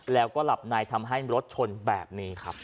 แล้วก็หลับในทำให้รถชนแบบนี้ครับ